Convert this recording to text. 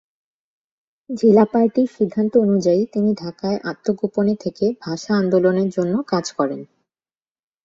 জেলা পার্টির সিদ্ধান্ত অনুযায়ী তিনি ঢাকায় আত্মগোপনে থেকে ভাষা আন্দোলনের জন্য কাজ করেন।